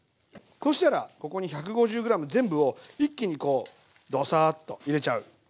そしたらここに１５０ｇ全部を一気にこうドサーッと入れちゃう。